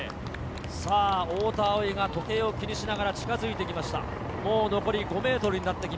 太田蒼生が時計を気にしながら近づいてきました。